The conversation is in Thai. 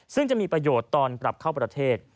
ซึ่งจะมีประโยชน์ตอนกลับเข้าประเทศ